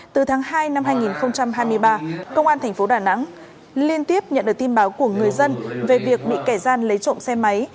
từ tháng hai năm hai nghìn hai mươi ba công an thành phố đà nẵng liên tiếp nhận được tin báo của người dân về việc bị kẻ gian lấy trộm xe máy